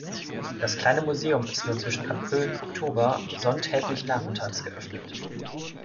Das kleine Museum ist nur zwischen April und Oktober, sonntäglich nachmittags geöffnet.